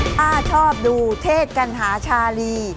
ไปดูเทศกันหาชาลี